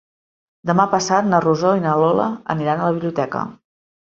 Demà passat na Rosó i na Lola aniran a la biblioteca.